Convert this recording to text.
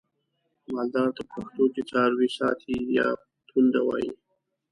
مالدار ته په پښتو کې څارويساتی یا پوونده وایي.